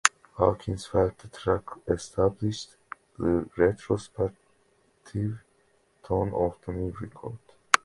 Hawkins felt the track established the retrospective tone of the new record.